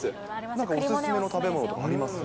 何かお勧めの食べ物とかあります？